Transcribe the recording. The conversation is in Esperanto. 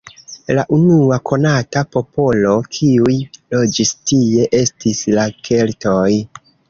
La unua konata popolo, kiuj loĝis tie, estis la keltoj.